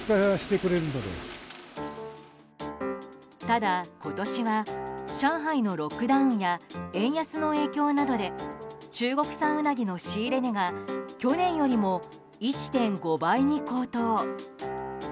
ただ、今年は上海のロックダウンや円安の影響などで中国産ウナギの仕入れ値が去年よりも１．５倍に高騰。